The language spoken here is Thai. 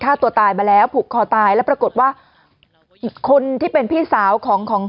ฆ่าตัวตายมาแล้วผูกคอตายแล้วปรากฏว่าอีกคนที่เป็นพี่สาวของของ